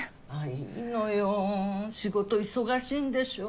いいのよ仕事忙しいんでしょう？